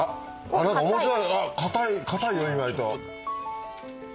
何か面白い硬いよ意外と。